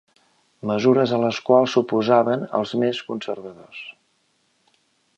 Mesures a les quals s'oposaven els més conservadors.